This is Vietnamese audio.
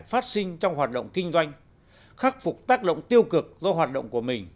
phát sinh trong hoạt động kinh doanh khắc phục tác động tiêu cực do hoạt động của mình